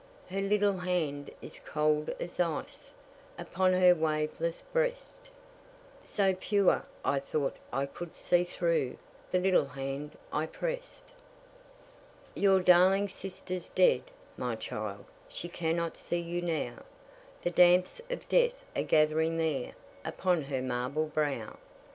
Her little hand is cold as ice, Upon her waveless breast, So pure, I thought I could see through The little hand I pressed. Your darling sister's dead, my child; She cannot see you now; The damps of death are gath'ring there Upon her marble brow.